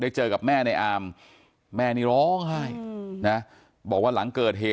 เจอกับแม่ในอามแม่นี่ร้องไห้นะบอกว่าหลังเกิดเหตุ